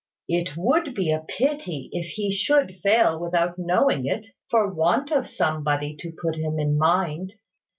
It would be a pity if he should fail without knowing it, for want of somebody to put him in mind.